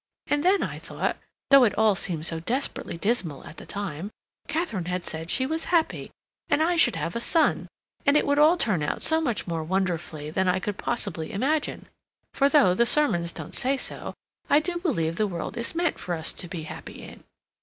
And then I thought, though it all seemed so desperately dismal at the time, Katharine had said she was happy, and I should have a son, and it would all turn out so much more wonderfully than I could possibly imagine, for though the sermons don't say so, I do believe the world is meant for us to be happy in.